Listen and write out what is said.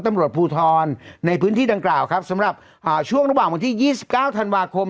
ตำรวจภูทรในพื้นที่ดังกล่าวครับสำหรับช่วงระหว่างวันที่๒๙ธันวาคม